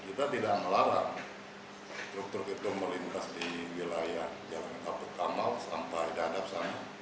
kita tidak melarang truk truk itu melintas di wilayah jalan ketaput kamau sampai di hadap sana